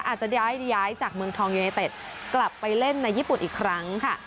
อาจจะย้ายจากเมืองทองยูเนเต็ดกลับไปเล่นในญี่ปุ่นอีกครั้งค่ะ